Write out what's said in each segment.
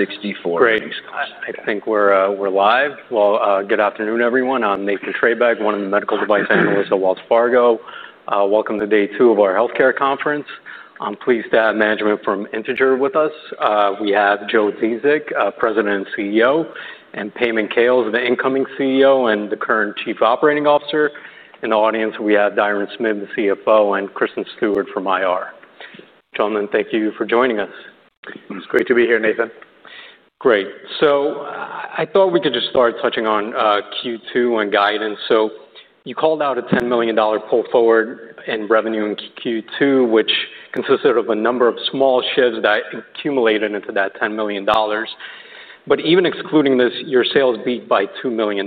Statement. Sixty for everybody. Great. I think we're live. Good afternoon, everyone. I'm Nathan Treybeck, one of the medical device analysts at Wells Fargo. Welcome to day two of our healthcare conference. I'm pleased to have management from Integer with us. We have Joe Dziedzic, President and CEO, and Payman Khales, the incoming CEO and the current Chief Operating Officer. In the audience, we have Diron Smith, the CFO, and Kristen Stewart from IR. Gentlemen, thank you for joining us. It's great to be here, Nathan. Great. I thought we could just start touching on Q2 and guidance. You called out a $10 million pull forward in revenue in Q2, which consisted of a number of small shifts that accumulated into that $10 million. Even excluding this, your sales beat by $2 million.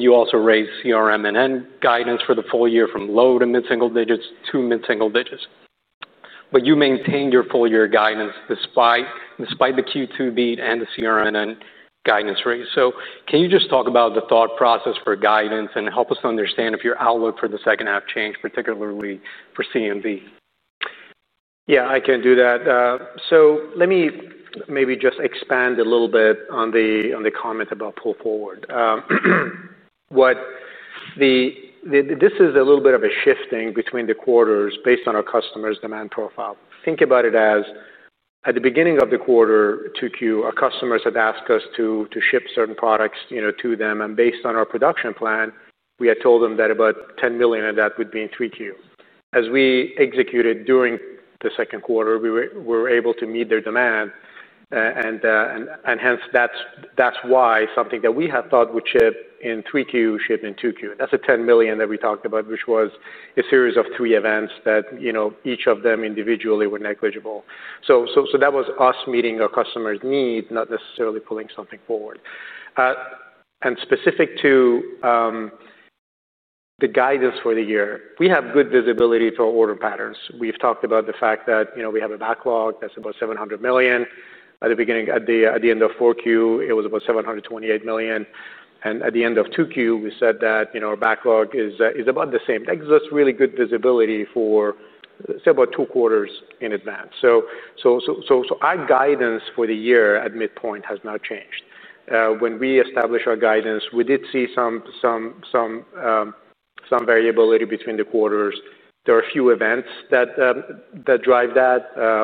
You also raised CRM and N guidance for the full year from low to mid-single digits to mid-single digits. You maintained your full-year guidance despite the Q2 beat and the CRM and N guidance raise. Can you just talk about the thought process for guidance and help us understand if your outlook for the second half changed, particularly for CMV? Yeah, I can do that. Let me maybe just expand a little bit on the comment about pull forward. This is a little bit of a shifting between the quarters based on our customers' demand profile. Think about it as at the beginning of the quarter, Q2, our customers had asked us to ship certain products to them. Based on our production plan, we had told them that about $10 million of that would be in Q3. As we executed during the second quarter, we were able to meet their demand. That's why something that we had thought would ship in Q3, shipped in Q2. That's the $10 million that we talked about, which was a series of three events that each of them individually were negligible. That was us meeting our customer's need, not necessarily pulling something forward. Specific to the guidance for the year, we have good visibility to our order patterns. We've talked about the fact that we have a backlog that's about $700 million. At the end of Q4, it was about $728 million. At the end of Q2, we said that our backlog is about the same. That gives us really good visibility for, say, about two quarters in advance. Our guidance for the year at midpoint has not changed. When we established our guidance, we did see some variability between the quarters. There are a few events that drive that.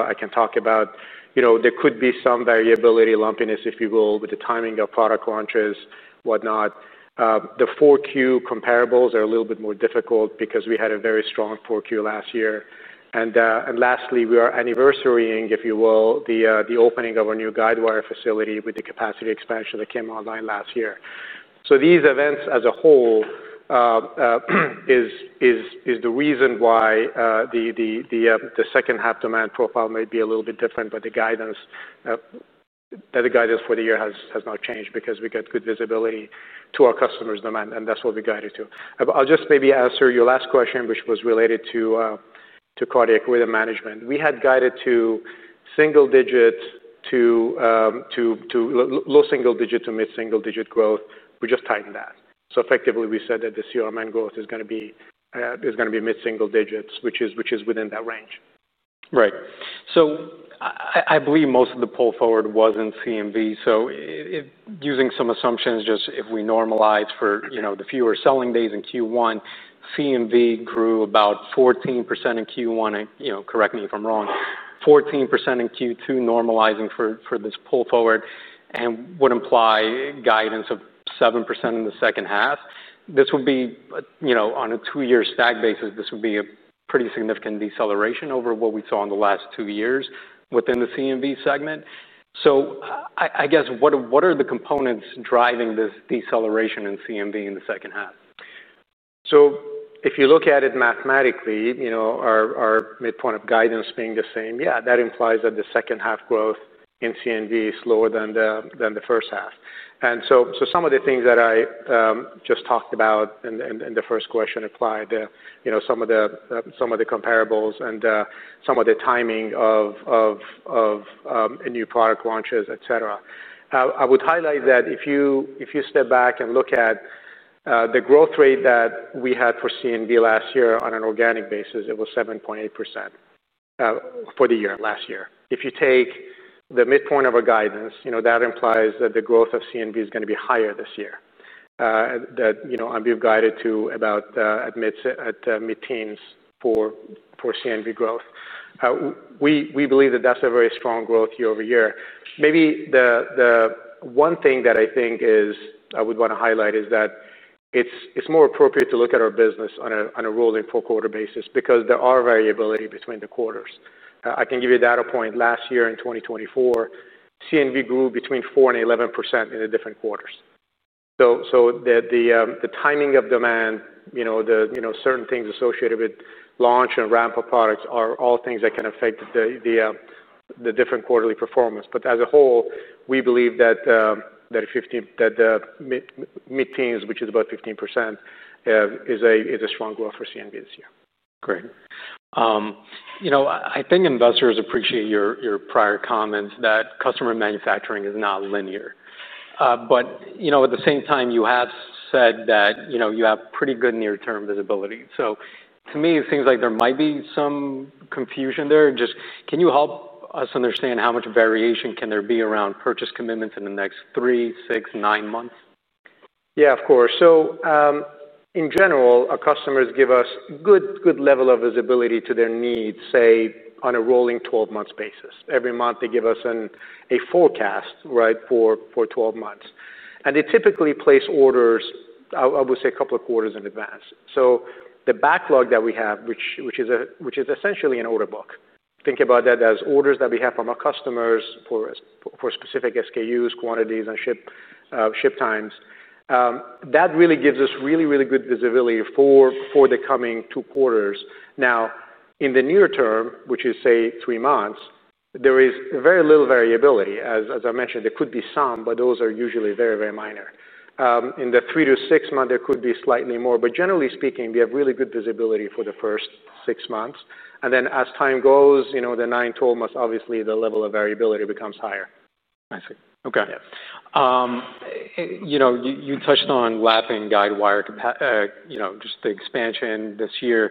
I can talk about, you know, there could be some variability, lumpiness, if you will, with the timing of product launches, whatnot. The Q4 comparables are a little bit more difficult because we had a very strong Q4 last year. Lastly, we are anniversarying, if you will, the opening of our new guidewire facility with the capacity expansion that came online last year. These events as a whole are the reason why the second-half demand profile might be a little bit different, but the guidance for the year has not changed because we get good visibility to our customers' demand, and that's what we guided to. I'll just maybe answer your last question, which was related to cardiac rhythm management. We had guided to single-digit to low single-digit to mid-single-digit growth. We just tightened that. Effectively, we said that the CRM is growth is going to be mid-single digits, which is within that range. Right. I believe most of the pull forward was in CMV. Using some assumptions, just if we normalize for the fewer selling days in Q1, CMV grew about 14% in Q1. Correct me if I'm wrong, 14% in Q2 normalizing for this pull forward and would imply guidance of 7% in the second half. This would be, you know, on a two-year stack basis, a pretty significant deceleration over what we saw in the last two years within the CMV segment. I guess what are the components driving this deceleration in CMV in the second half? If you look at it mathematically, our midpoint of guidance being the same, that implies that the second half growth in CMV is slower than the first half. Some of the things that I just talked about in the first question applied to some of the comparables and some of the timing of new product launches, etc. I would highlight that if you step back and look at the growth rate that we had for CMV last year on an organic basis, it was 7.8% for the year last year. If you take the midpoint of our guidance, that implies that the growth of CMV is going to be higher this year. We've guided to about at mid-teens for CMV growth. We believe that that's a very strong growth year- over- year. Maybe the one thing that I think I would want to highlight is that it's more appropriate to look at our business on a rolling four-quarter basis because there is variability between the quarters. I can give you that point. Last year in 2024, CMV grew between 4% and 11% in the different quarters. The timing of demand, certain things associated with launch and ramp-up products are all things that can affect the different quarterly performance. As a whole, we believe that the mid-teens, which is about 15%, is a strong growth for CMV this year. Great. I think investors appreciate your prior comments that customer manufacturing is not linear. At the same time, you have said that you have pretty good near-term visibility. To me, it seems like there might be some confusion there. Can you help us understand how much variation can there be around purchase commitments in the next three, six, nine months? Yeah, of course. In general, our customers give us a good level of visibility to their needs, say, on a rolling 12-month basis. Every month, they give us a forecast for 12 months, and they typically place orders, I would say, a couple of quarters in advance. The backlog that we have, which is essentially an order book, think about that as orders that we have from our customers for specific SKUs, quantities, and ship times. That really gives us really, really good visibility for the coming two quarters. In the near term, which is, say, three months, there is very little variability. As I mentioned, there could be some, but those are usually very, very minor. In the 3-6 months, there could be slightly more. Generally speaking, we have really good visibility for the first six months. As time goes, the 9- 12 months, obviously the level of variability becomes higher. I see. You touched on lapping guidewire, just the expansion this year.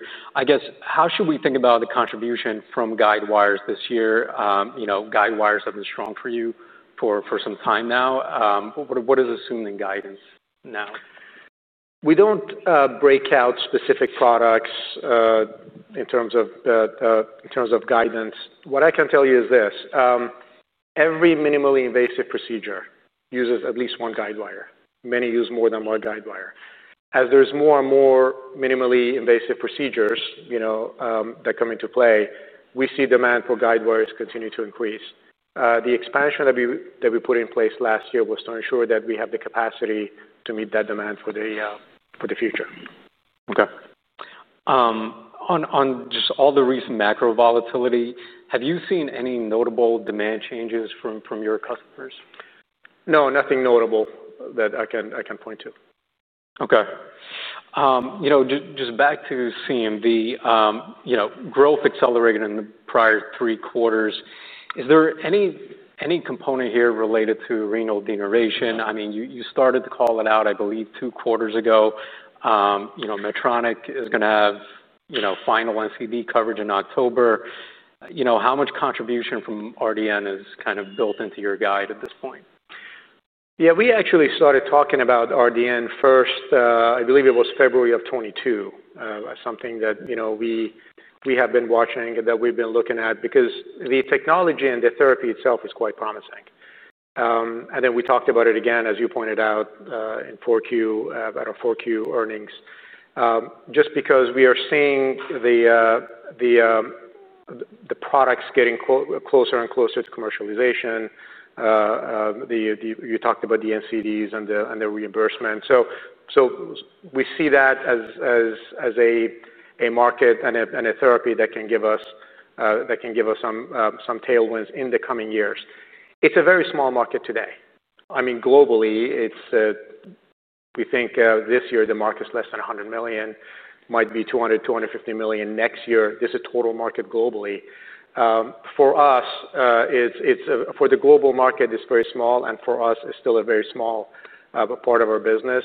How should we think about the contribution from guidewires this year? Guidewires have been strong for you for some time now. What is assumed in guidance now? We don't break out specific products in terms of guidance. What I can tell you is this: every minimally invasive procedure uses at least one guidewire. Many use more than one guidewire. As there's more and more minimally invasive procedures that come into play, we see demand for guidewires continue to increase. The expansion that we put in place last year was to ensure that we have the capacity to meet that demand for the future. On all the recent macro volatility, have you seen any notable demand changes from your customers? No, nothing notable that I can point to. Back to the CMV, growth accelerated in the prior three quarters. Is there any component here related to renal denervation? You started to call it out, I believe, two quarters ago. Medtronic is going to have final NCD coverage in October. How much contribution from RDN is built into your guide at this point? Yeah, we actually started talking about RDN first. I believe it was February of 2022, something that, you know, we have been watching and that we've been looking at because the technology and the therapy itself is quite promising. We talked about it again, as you pointed out, in Q4, about our Q4 earnings, just because we are seeing the products getting closer and closer to commercialization. You talked about the NCDs and the reimbursement. We see that as a market and a therapy that can give us some tailwinds in the coming years. It's a very small market today. I mean, globally, we think this year the market is less than $100 million, might be $200 million- $250 million next year. This is a total market globally. For us, for the global market, it's very small, and for us, it's still a very small part of our business.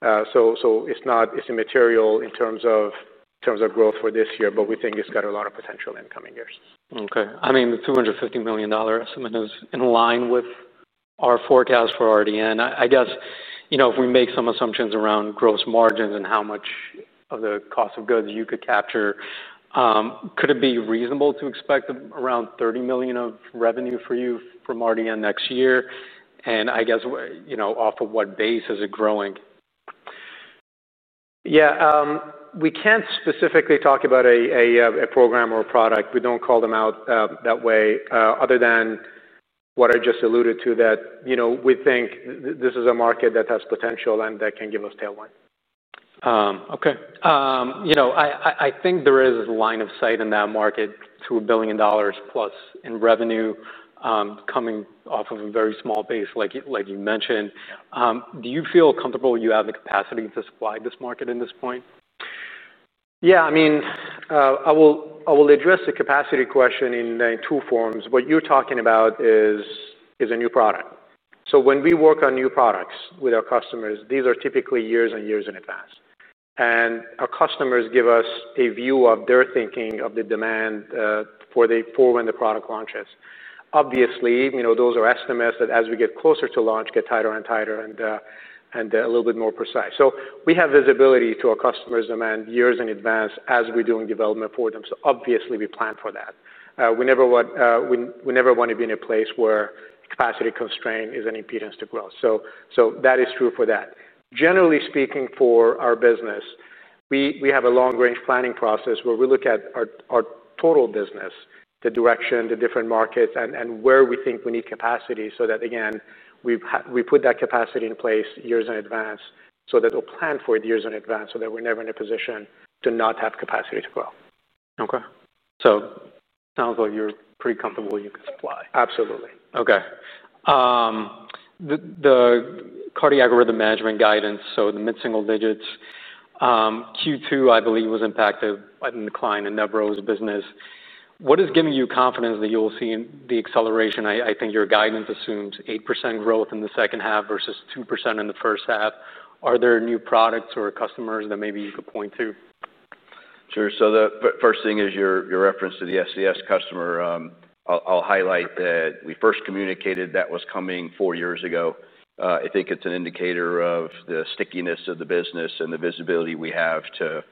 It's not immaterial in terms of growth for this year, but we think it's got a lot of potential in the coming years. Okay. I mean, the $250 million estimate is in line with our forecast for RDN. I guess, you know, if we make some assumptions around gross margins and how much of the cost of goods you could capture, could it be reasonable to expect around $30 million of revenue for you from RDN next year? I guess, you know, off of what base is it growing? Yeah, we can't specifically talk about a program or a product. We don't call them out that way, other than what I just alluded to, that, you know, we think this is a market that has potential and that can give us tailwinds. Okay. I think there is a line of sight in that market to $1+ billion in revenue coming off of a very small base, like you mentioned. Do you feel comfortable you have the capacity to supply this market at this point? Yeah, I mean, I will address the capacity question in two forms. What you're talking about is a new product. When we work on new products with our customers, these are typically years and years in advance. Our customers give us a view of their thinking of the demand for when the product launches. Obviously, you know, those are estimates that as we get closer to launch, get tighter and tighter and a little bit more precise. We have visibility to our customers' demand years in advance as we're doing development for them. Obviously we plan for that. We never want to be in a place where capacity constraint is an impedance to growth. That is true for that. Generally speaking, for our business, we have a long-range planning process where we look at our total business, the direction, the different markets, and where we think we need capacity so that, again, we put that capacity in place years in advance so that we'll plan for it years in advance so that we're never in a position to not have capacity to grow. Okay. It sounds like you're pretty comfortable you can supply. Absolutely. Okay. The cardiac rhythm management guidance, so the mid-single digits, Q2, I believe, was impacted by the decline in Nevro's business. What is giving you confidence that you'll see the acceleration? I think your guidance assumes 8% growth in the second half versus 2% in the first half. Are there new products or customers that maybe you could point to? Sure. The first thing is your reference to the SCS customer. I'll highlight that we first communicated that was coming four years ago. I think it's an indicator of the stickiness of the business and the visibility we have to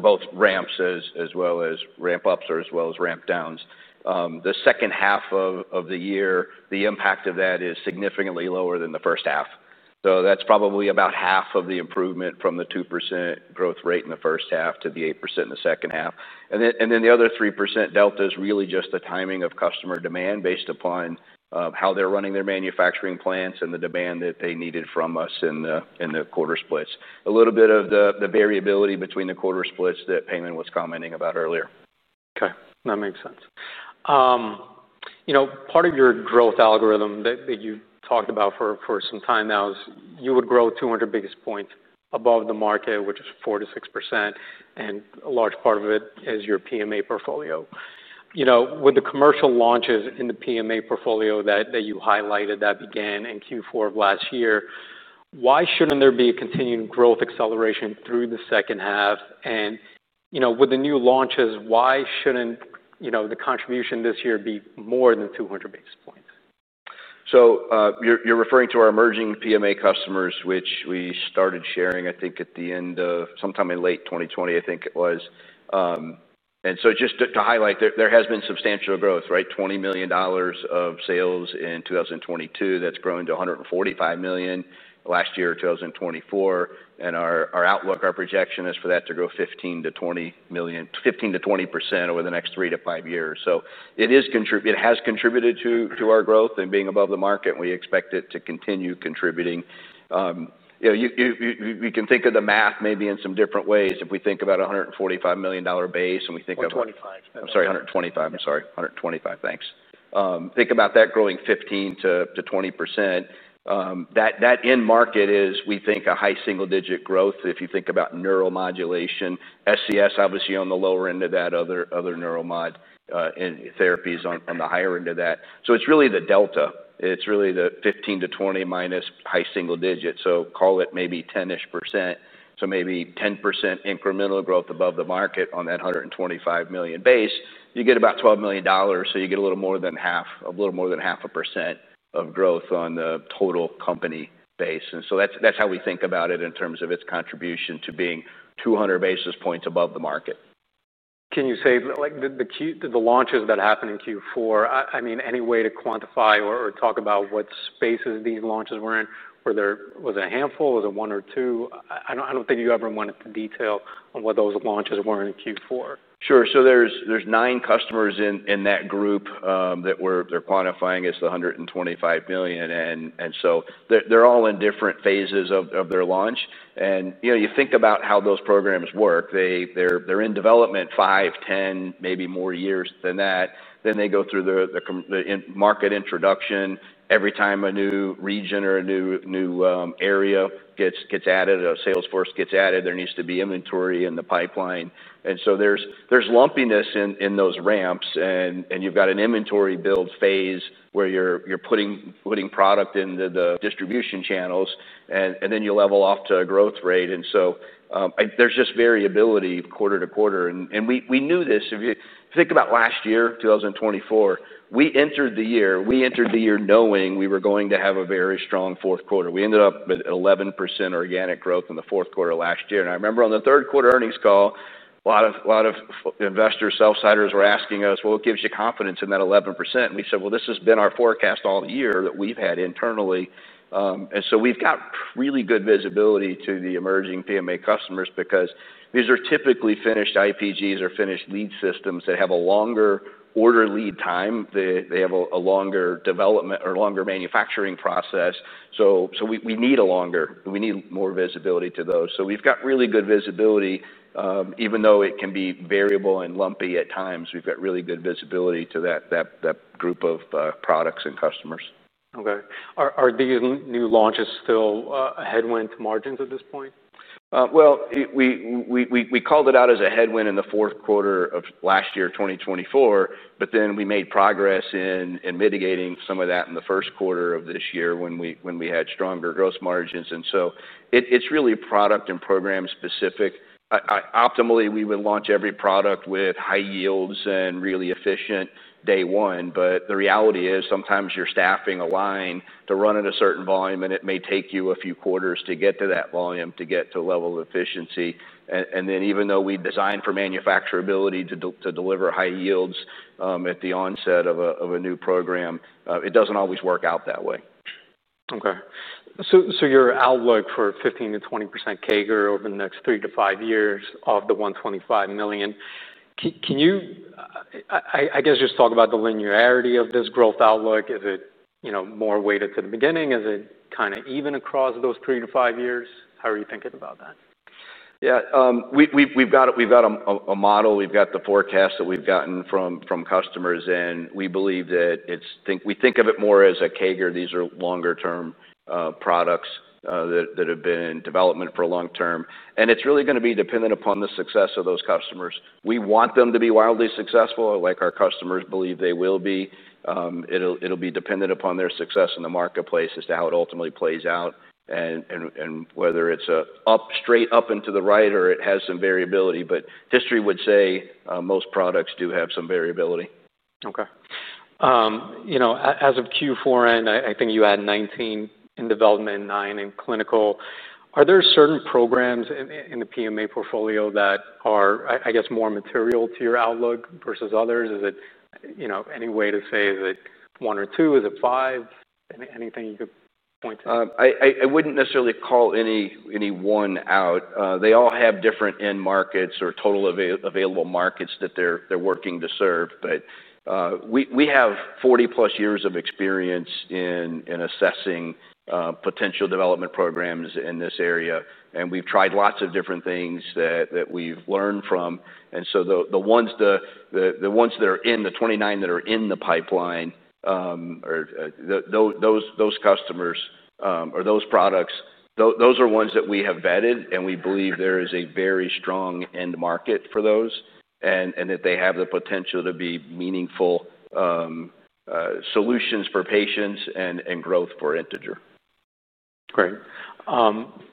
both ramps as well as ramp-ups or as well as ramp-downs. The second half of the year, the impact of that is significantly lower than the first half. That's probably about half of the improvement from the 2% growth rate in the first half to the 8% in the second half. The other 3% delta is really just the timing of customer demand based upon how they're running their manufacturing plants and the demand that they needed from us in the quarter splits. A little bit of the variability between the quarter splits that Payman was commenting about earlier. Okay, that makes sense. Part of your growth algorithm that you've talked about for some time now is you would grow 200 basis points above the market, which is 4% to 6%, and a large part of it is your PMA portfolio. With the commercial launches in the PMA portfolio that you highlighted that began in Q4 of last year, why shouldn't there be a continued growth acceleration through the second half? With the new launches, why shouldn't the contribution this year be more than 200 basis points? You're referring to our emerging PMA customers, which we started sharing, I think, at the end of sometime in late 2020, I think it was. Just to highlight, there has been substantial growth, right? $20 million of sales in 2022 that's grown to $145 million last year, 2024. Our outlook, our projection is for that to grow 15%- 20% over the next 3-5 years. It has contributed to our growth and being above the market, and we expect it to continue contributing. You can think of the math maybe in some different ways. If we think about a $145 million base and we think of $125 million. I'm sorry, $125 million. Thanks. Think about that growing 15% - 20%. That in-market is, we think, a high single-digit growth. If you think about neuromodulation, SCS obviously on the lower end of that, other neuromod therapies on the higher end of that. It's really the delta. It's really the 15%- 20%- high single digits. Call it maybe 10%-ish %. Maybe 10% incremental growth above the market on that $125 million base, you get about $12 million. You get a little more than half, a little more than 0.5 % of growth on the total company base. That's how we think about it in terms of its contribution to being 200 basis points above the market. Can you say like the launches that happened in Q4? I mean, any way to quantify or talk about what spaces these launches were in? Was it a handful? Was it one or two? I don't think you ever went into detail on what those launches were in Q4. Sure. There are nine customers in that group that they're quantifying as the $125 million. They're all in different phases of their launch. You think about how those programs work. They're in development five, ten, maybe more years than that. They go through the market introduction. Every time a new region or a new area gets added, a sales force gets added, there needs to be inventory in the pipeline. There is lumpiness in those ramps. You've got an inventory build phase where you're putting product into the distribution channels. You level off to a growth rate. There is just variability quarter to quarter. We knew this. If you think about last year, 2024, we entered the year knowing we were going to have a very strong fourth quarter. We ended up with 11% organic growth in the fourth quarter last year. I remember on the third quarter earnings call, a lot of investors, sell-siders were asking us, what gives you confidence in that 11%? We said this has been our forecast all the year that we've had internally. We've got really good visibility to the emerging PMA customers because these are typically finished IPGs or finished lead systems that have a longer order lead time. They have a longer development or longer manufacturing process. We need more visibility to those. We've got really good visibility, even though it can be variable and lumpy at times. We've got really good visibility to that group of products and customers. Okay. Are these new launches still a headwind to margins at this point? We called it out as a headwind in the fourth quarter of last year, 2024, but then we made progress in mitigating some of that in the first quarter of this year when we had stronger gross margins. It's really product and program specific. Optimally, we would launch every product with high yields and really efficient day one. The reality is sometimes you're staffing a line to run at a certain volume, and it may take you a few quarters to get to that volume, to get to a level of efficiency. Even though we design for manufacturability to deliver high yields at the onset of a new program, it doesn't always work out that way. Okay. Your outlook for 15%- 20% CAGR over the next 3-5 years of the $125 million, can you just talk about the linearity of this growth outlook? Is it more weighted to the beginning? Is it kind of even across those 3-5 years? How are you thinking about that? Yeah, we've got a model. We've got the forecast that we've gotten from customers, and we believe that we think of it more as a CAGR. These are longer-term products that have been in development for a long term. It's really going to be dependent upon the success of those customers. We want them to be wildly successful, like our customers believe they will be. It'll be dependent upon their success in the marketplace as to how it ultimately plays out and whether it's straight up into the right or it has some variability. History would say most products do have some variability. Okay. You know, as of Q4 end, I think you had 19 in development, nine in clinical. Are there certain programs in the PMA portfolio that are, I guess, more material to your outlook versus others? Is it, you know, any way to say is it one or two? Is it five? Anything you could point to? I wouldn't necessarily call any one out. They all have different end markets or total available markets that they're working to serve. We have 40+ years of experience in assessing potential development programs in this area. We've tried lots of different things that we've learned from. The ones that are in the 29 that are in the pipeline or those customers or those products, those are ones that we have vetted. We believe there is a very strong end market for those and that they have the potential to be meaningful solutions for patients and growth for Integer. Great.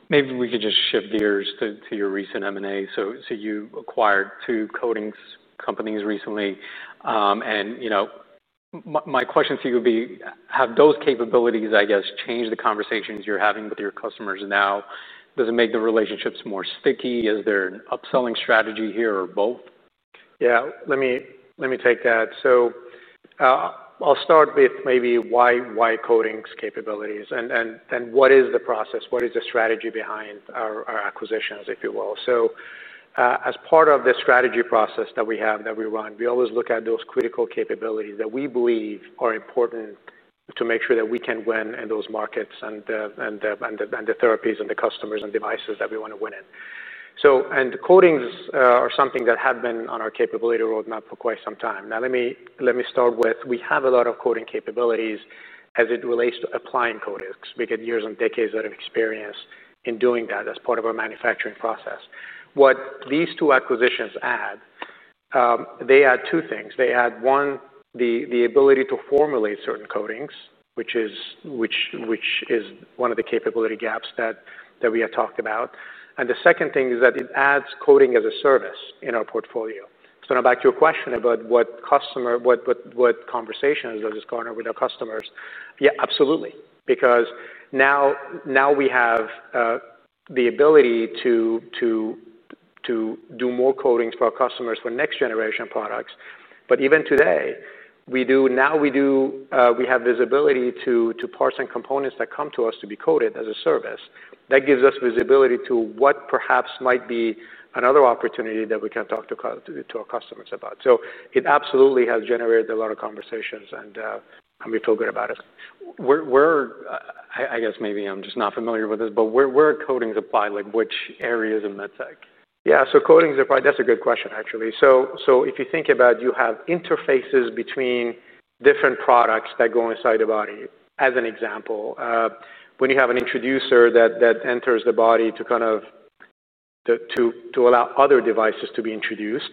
Maybe we could just shift gears to your recent M&A. You acquired two coatings companies recently. My question to you would be, have those capabilities, I guess, changed the conversations you're having with your customers now? Does it make the relationships more sticky? Is there an upselling strategy here or both? Yeah, let me take that. I'll start with maybe why coatings' capabilities and what is the process? What is the strategy behind our acquisitions, if you will? As part of the strategy process that we have that we run, we always look at those critical capabilities that we believe are important to make sure that we can win in those markets and the therapies and the customers and devices that we want to win in. Coatings are something that had been on our capability roadmap for quite some time. Now, let me start with we have a lot of coating capabilities as it relates to applying coatings. We get years and decades of experience in doing that as part of our manufacturing process. What these two acquisitions add, they add two things. They add, one, the ability to formulate certain coatings, which is one of the capability gaps that we had talked about. The second thing is that it adds coating as a service in our portfolio. Now back to your question about what customer, what conversations does this garner with our customers? Yeah, absolutely. Because now we have the ability to do more coatings for our customers for next-generation products. Even today, we do, now we do, we have visibility to parts and components that come to us to be coated as a service. That gives us visibility to what perhaps might be another opportunity that we can talk to our customers about. It absolutely has generated a lot of conversations, and we feel good about it. I guess maybe I'm just not familiar with this, but where are coatings applied? Like which areas in medtech? Yeah, so coatings applied, that's a good question, actually. If you think about it, you have interfaces between different products that go inside the body. As an example, when you have an introducer that enters the body to kind of allow other devices to be introduced,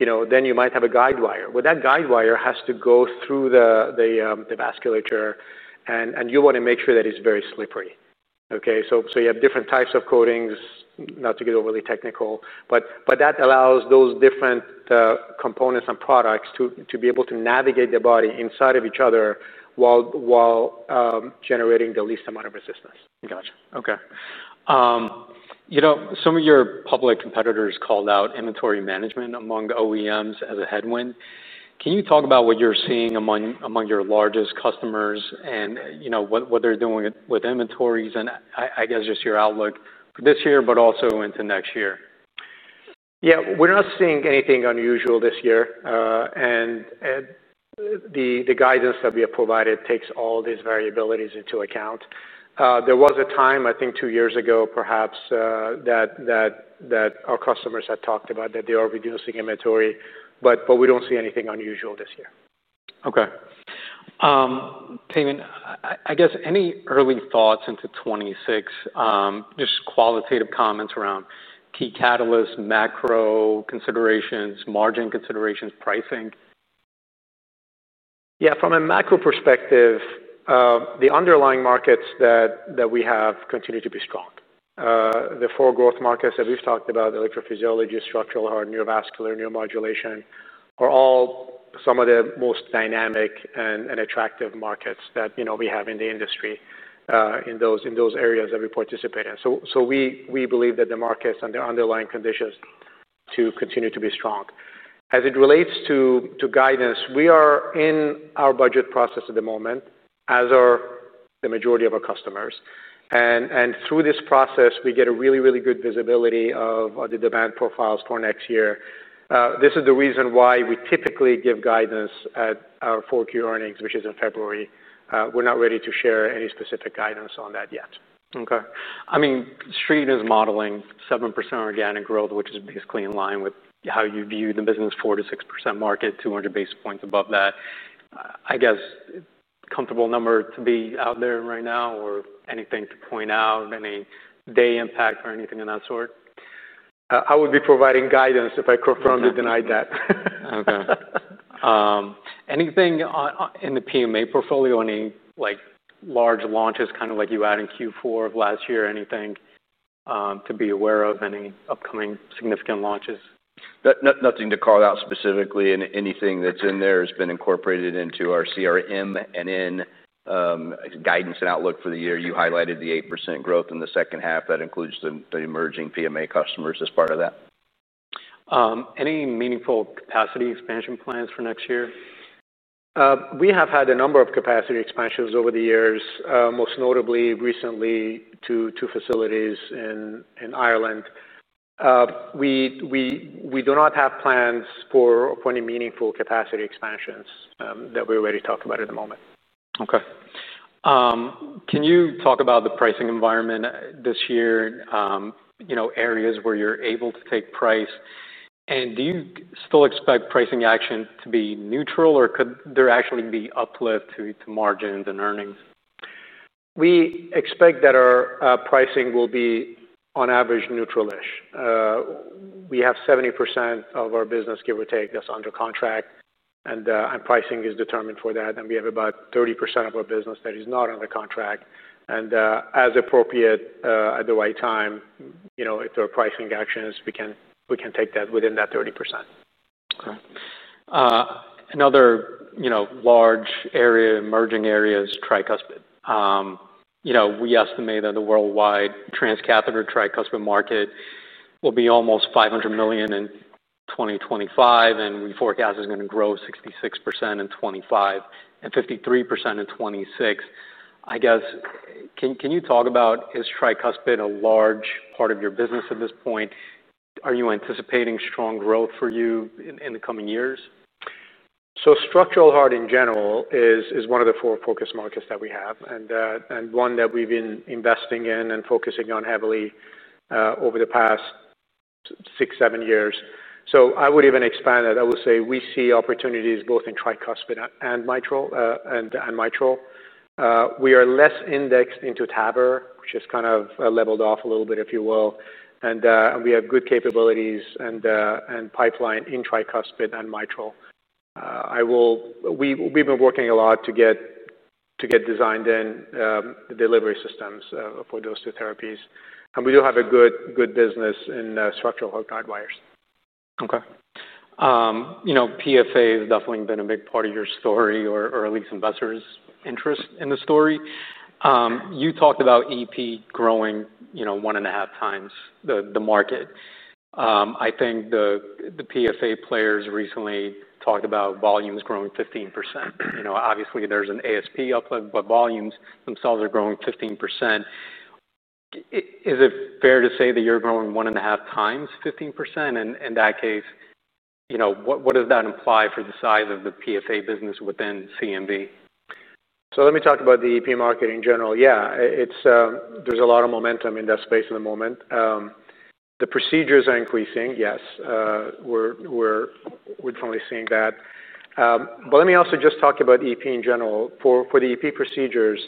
you know, then you might have a guidewire. That guidewire has to go through the vasculature, and you want to make sure that it's very slippery. Okay, so you have different types of coatings, not to get overly technical, but that allows those different components and products to be able to navigate the body inside of each other while generating the least amount of resistance. Gotcha. Okay. Some of your public competitors called out inventory management among OEMs as a headwind. Can you talk about what you're seeing among your largest customers and what they're doing with inventories? I guess just your outlook for this year, but also into next year. Yeah, we're not seeing anything unusual this year. The guidance that we have provided takes all these variabilities into account. There was a time, I think two years ago, perhaps, that our customers had talked about that they are reducing inventory, but we don't see anything unusual this year. Okay. Payman, I guess any early thoughts into 2026, just qualitative comments around key catalysts, macro considerations, margin considerations, pricing? Yeah, from a macro perspective, the underlying markets that we have continue to be strong. The four growth markets that we've talked about, electrophysiology, structural heart, neurovascular, neuromodulation, are all some of the most dynamic and attractive markets that we have in the industry in those areas that we participate in. We believe that the markets and the underlying conditions continue to be strong. As it relates to guidance, we are in our budget process at the moment, as are the majority of our customers. Through this process, we get a really, really good visibility of the demand profiles for next year. This is the reason why we typically give guidance at our Q4 earnings, which is in February. We're not ready to share any specific guidance on that yet. Okay. I mean, Street is modeling 7% organic growth, which is basically in line with how you view the business, 4%- 6% market, 200 basis points above that. I guess a comfortable number to be out there right now or anything to point out, any day impact or anything of that sort? I would be providing guidance if I confirmed or denied that. Okay. Anything in the PMA portfolio, any large launches kind of like you had in Q4 of last year? Anything to be aware of? Any upcoming significant launches? Nothing to call out specifically. Anything that's in there has been incorporated into our CRM and in guidance and outlook for the year. You highlighted the 8% growth in the second half. That includes the emerging PMA customers as part of that. Any meaningful capacity expansion plans for next year? We have had a number of capacity expansions over the years, most notably recently to two facilities in Ireland. We do not have plans for any meaningful capacity expansions that we already talked about at the moment. Okay. Can you talk about the pricing environment this year? You know, areas where you're able to take price. Do you still expect pricing action to be neutral, or could there actually be uplift to margins and earnings? We expect that our pricing will be on average neutral-ish. We have 70% of our business, give or take, that's under contract, and pricing is determined for that. We have about 30% of our business that is not under contract, and as appropriate, at the right time, if there are pricing actions, we can take that within that 30%. Okay. Another large area, emerging area is tricuspid. We estimate that the worldwide transcatheter tricuspid market will be almost $500 million in 2025, and we forecast it's going to grow 66% in 2025 and 53% in 2026. I guess, can you talk about, is tricuspid a large part of your business at this point? Are you anticipating strong growth for you in the coming years? Structural heart in general is one of the four focus markets that we have and one that we've been investing in and focusing on heavily over the past six, seven years. I would even expand that. I would say we see opportunities both in tricuspid and mitral. We are less indexed into TAVR, which has kind of leveled off a little bit, if you will. We have good capabilities and pipeline in tricuspid and mitral. We've been working a lot to get designed in the delivery systems for those two therapies, and we do have a good business in structural heart guidewires. Okay. PFA has definitely been a big part of your story or at least investors' interest in the story. You talked about EP growing 1.5x the market. I think the PFA players recently talked about volumes growing 15%. Obviously, there's an ASP uplift, but volumes themselves are growing 15%. Is it fair to say that you're growing 1.5x 15%? In that case, what does that imply for the size of the PFA business within CMV? Let me talk about the EP market in general. There's a lot of momentum in that space at the moment. The procedures are increasing, yes. We're definitely seeing that. Let me also just talk about EP in general. For the EP procedures,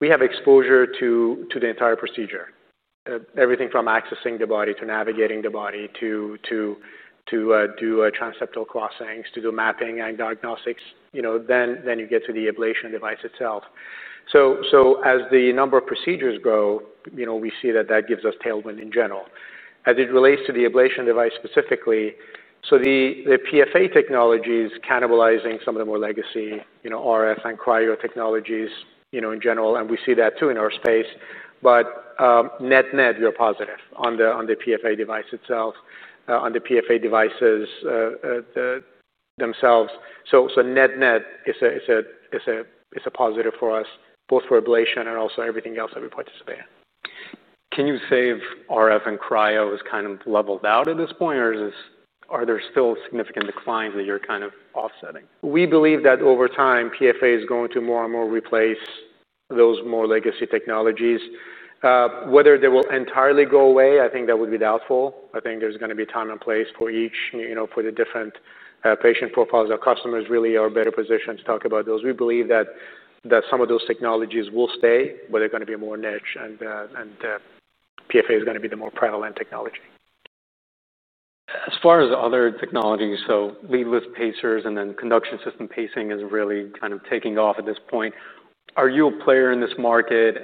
we have exposure to the entire procedure, everything from accessing the body to navigating the body to do transseptal crossings, to do mapping and diagnostics. You get to the ablation device itself. As the number of procedures grow, we see that gives us tailwind in general. As it relates to the ablation device specifically, the PFA technology is cannibalizing some of the more legacy RF and cryo technologies in general. We see that too in our space. Net-net, we are positive on the PFA device itself, on the PFA devices themselves. Net-net, it's a positive for us, both for ablation and also everything else that we participate in. Can you say if RF and cryo is kind of leveled out at this point, or are there still significant declines that you're kind of offsetting? We believe that over time, PFA is going to more and more replace those more legacy technologies. Whether they will entirely go away, I think that would be doubtful. I think there's going to be time and place for each, for the different patient profiles. Our customers really are better positioned to talk about those. We believe that some of those technologies will stay, but they're going to be more niche, and PFA is going to be the more prevalent technology. As far as other technologies, leadless pacers and then conduction system pacing is really kind of taking off at this point. Are you a player in this market?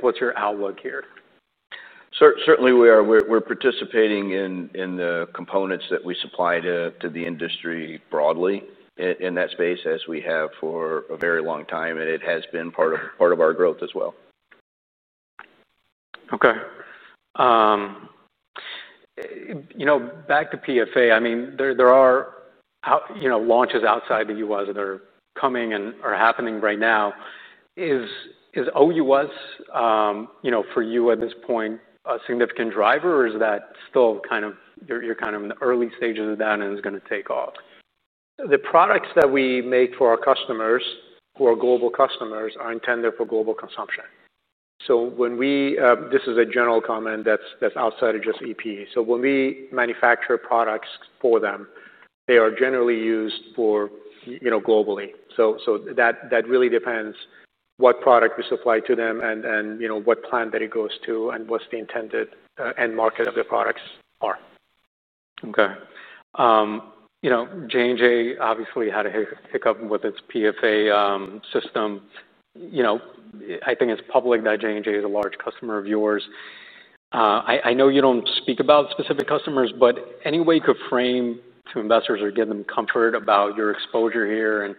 What's your outlook here? Certainly, we are. We're participating in the components that we supply to the industry broadly in that space, as we have for a very long time, and it has been part of our growth as well. Back to PFA, there are launches outside the U.S. that are coming and are happening right now. Is OUS for you at this point a significant driver, or is that still kind of, you're in the early stages of that and it's going to take off? The products that we make for our customers, who are global customers, are intended for global consumption. This is a general comment that's outside of just EP. When we manufacture products for them, they are generally used globally. That really depends what product we supply to them, what plant it goes to, and what the intended end market of the products are. J&J obviously had a hiccup with its PFA system. I think it's public that J&J is a large customer of yours. I know you don't speak about specific customers, but any way you could frame to investors or give them comfort about your exposure here and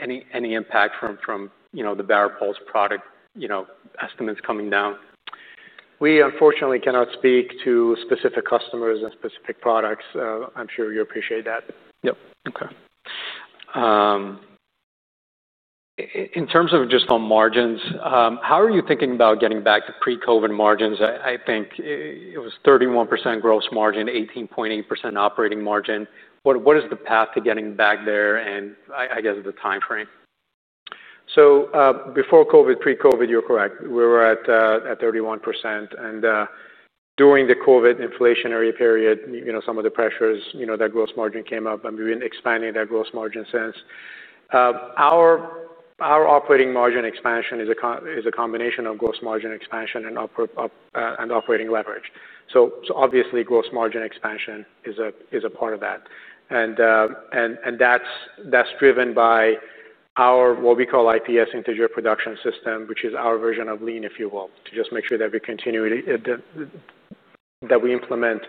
any impact from the VARIPULSE product estimates coming down? We unfortunately cannot speak to specific customers and specific products. I'm sure you appreciate that. In terms of just on margins, how are you thinking about getting back to pre-COVID margins? I think it was 31% gross margin, 18.8% operating margin. What is the path to getting back there and the timeframe? Before COVID, pre-COVID, you're correct. We were at 31%. During the COVID inflationary period, some of the pressures, that gross margin came up, and we've been expanding that gross margin since. Our operating margin expansion is a combination of gross margin expansion and operating leverage. G ross margin expansion is a part of that, and that's driven by our IPS, Integer production system, which is our version of lean, to just make sure that we continue, that we implement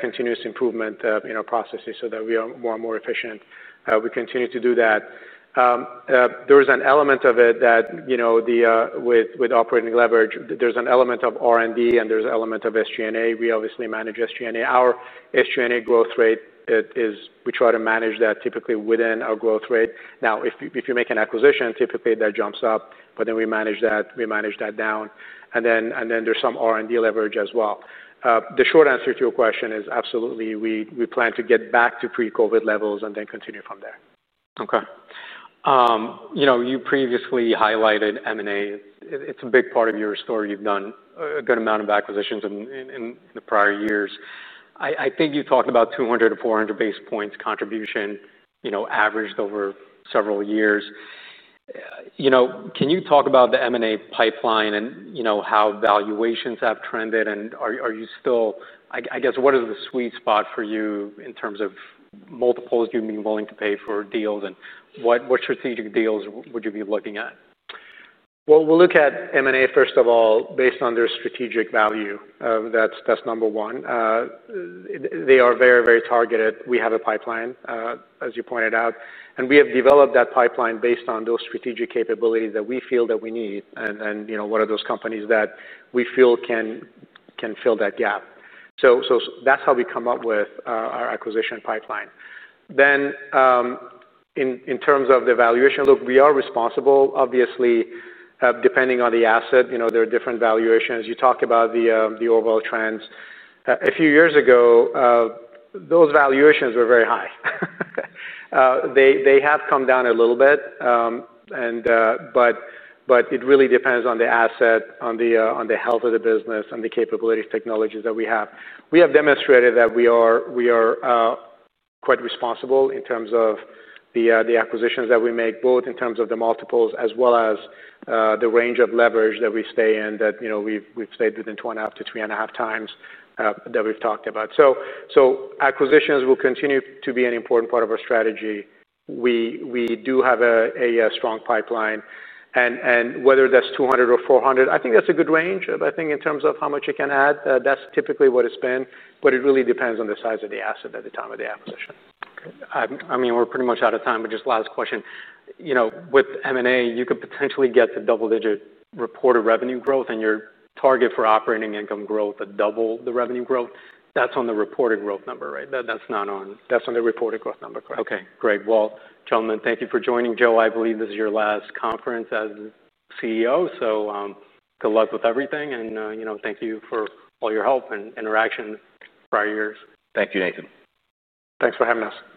continuous improvement in our processes so that we are more and more efficient. We continue to do that. There's an element of it that, with operating leverage, there's an element of R&D and there's an element of SG&A. We obviously manage SG&A. Our SG&A growth rate is, we try to manage that typically within our growth rate. If you make an acquisition, typically that jumps up, but then we manage that down. Then there's some R&D leverage as well. The short answer to your question is absolutely we plan to get back to pre-COVID levels and then continue from there. You previously highlighted M&A. It's a big part of your story. You've done a good amount of acquisitions in the prior years. I think you talked about 200 - 400 basis points contribution, averaged over several years. Can you talk about the M&A pipeline and how valuations have trended? What is the sweet spot for you in terms of multiples you'd be willing to pay for deals? What strategic deals would you be looking at? We look at M&A, first of all, based on their strategic value. That's number one. They are very, very targeted. We have a pipeline, as you pointed out. We have developed that pipeline based on those strategic capabilities that we feel that we need. Then, you know, what are those companies that we feel can fill that gap? That's how we come up with our acquisition pipeline. In terms of the valuation, we are responsible, obviously, depending on the asset. There are different valuations. You talk about the overall trends. A few years ago, those valuations were very high. They have come down a little bit. It really depends on the asset, on the health of the business, and the capabilities of technologies that we have. We have demonstrated that we are quite responsible in terms of the acquisitions that we make, both in terms of the multiples as well as the range of leverage that we stay in, that, you know, we've stayed within 2.5x- 3.5x that we've talked about. Acquisitions will continue to be an important part of our strategy. We do have a strong pipeline. Whether that's $200 million or $400 million, I think that's a good range. I think in terms of how much it can add, that's typically what it's been. It really depends on the size of the asset at the time of the acquisition. I mean, we're pretty much out of time, but just last question. With M&A, you could potentially get to double-digit reported revenue growth, and your target for operating income growth to double the revenue growth, that's on the reported growth number, right? That's on the reported growth number, correct. Okay, great. Gentlemen, thank you for joining. Joe, I believe this is your last conference as CEO. Good luck with everything. Thank you for all your help and interaction prior years. Thank you, Nathan. Thanks for having us.